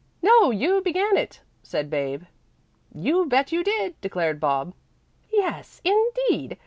"No, you began it," said Babe. "You bet you did," declared Bob. "Yes, indeed.